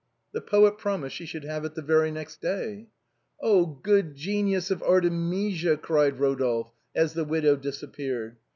The poet promised she should have it the very next day. " Oh, good genius of an Artemisia !" cried Eodolphe, as the widow disappeared.